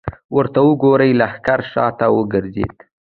ورته وګورئ! لښکر شاته وګرځېد.